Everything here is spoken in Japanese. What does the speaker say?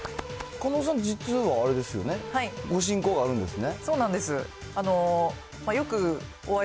狩野さん、実はあれですよね、ご親交があるんですね。